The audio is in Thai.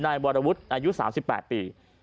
นายวรวุฒิอายุ๓๘ปี